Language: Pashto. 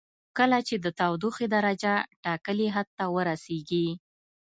کله چې د تودوخې درجه ټاکلي حد ته ورسیږي.